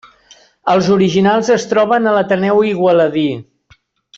Els originals es troben a l'Ateneu Igualadí.